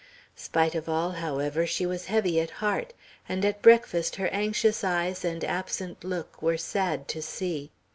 Spite of all, however, she was heavy at heart; and at breakfast her anxious eyes and absent look were sad to see.